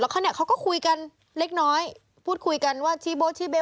เขาเนี่ยเขาก็คุยกันเล็กน้อยพูดคุยกันว่าชี้โบ๊ชี้เบ๊